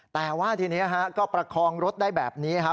แต่ว่าทีนี้ก็ประคองรถได้แบบนี้ครับ